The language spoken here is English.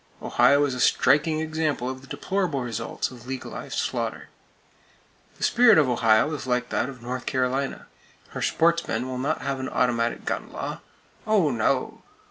Ohio is a striking example of the deplorable results of legalized slaughter. The spirit of Ohio is like that of North Carolina. Her "sportsmen" will not have an automatic gun law! Oh, no!